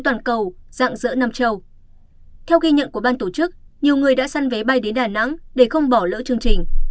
theo ghi nhận của ban tổ chức nhiều người đã săn vé bay đến đà nẵng để không bỏ lỡ chương trình